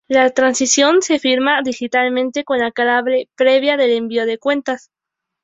La transacción se firma digitalmente con la clave privada del envío de cuentas.